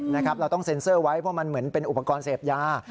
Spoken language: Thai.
เราต้องเซ็นเซอร์ไว้เพราะมันเหมือนเป็นอุปกรณ์เสพยา